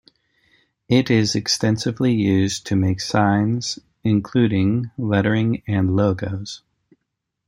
It is extensively used to make signs, including lettering and logos.